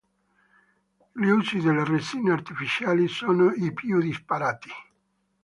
Gli usi delle resine artificiali sono i più disparati.